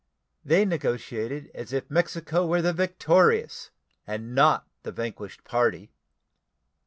They negotiated as if Mexico were the victorious, and not the vanquished, party.